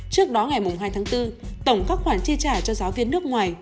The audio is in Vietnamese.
trước đó ngày hai tháng bốn tổng các khoản chi trả cho giáo viên nước ngoài